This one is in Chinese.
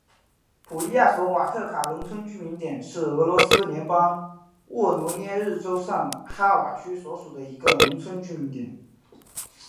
普利亚索瓦特卡农村居民点是俄罗斯联邦沃罗涅日州上哈瓦区所属的一个农村居民点。